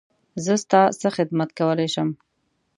زه ستا څه خدمت کولی شم؟